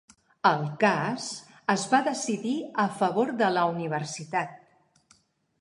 El cas es va decidir a favor de la universitat.